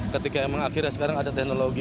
ketika emang akhirnya sekarang ada teknologi